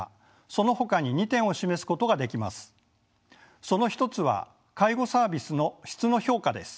その一つは介護サービスの質の評価です。